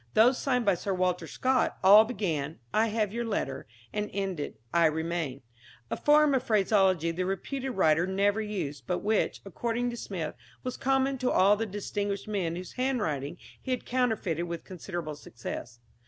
Those signed by Sir Walter Scott all began "I have your letter," and ended "I remain," a form of phraseology the reputed writer never used, but which, according to Smith, was common to all the distinguished men whose handwriting he had counterfeited with considerable success.